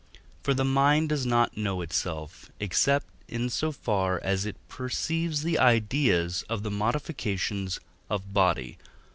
For the mind does not know itself, except in so far as it perceives the ideas of the modifications of body (II.